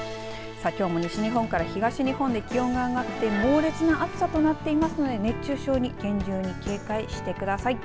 きょうも西日本から東日本で気温が上がって猛烈な暑さとなっていますので熱中症に厳重に警戒してください。